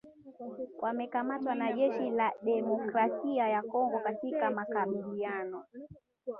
wamekamatwa na jeshi la Demokrasia ya Kongo katika makabiliano